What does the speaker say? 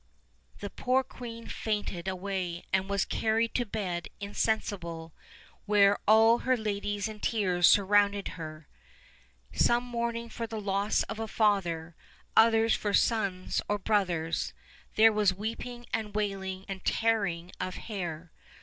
The poor queen fainted away and was carried to bed insensible, where all her ladies in tears surrounded her, some mourning for the loss of a father, others for sons or brothers; there was weeping and wailing and tearing of hair.